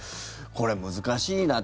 これ、難しいな。